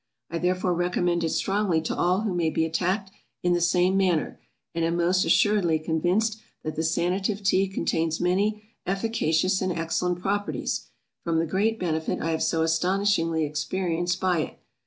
I therefore recommend it strongly to all who may be attacked in the same manner, and am most assuredly convinced that the Sanative Tea contains many efficacious and excellent properties, from the great benefit I have so astonishingly experienced by it.